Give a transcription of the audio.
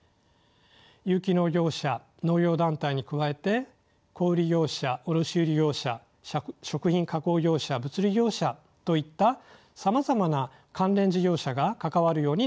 有機農業者農業団体に加えて小売業者卸売業者食品加工業者物流業者といったさまざまな関連事業者が関わるようになっています。